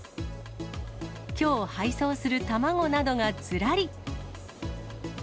きょう配送する卵などがずらり。